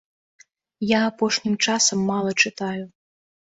Я апошнім часам мала чытаю.